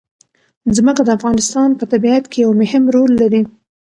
ځمکه د افغانستان په طبیعت کې یو مهم رول لري.